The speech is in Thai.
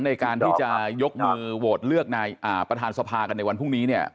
ในการที่จะยกมือโหวตเลือกนายประธานสภากันในวันพรุ่งนี้เนี่ย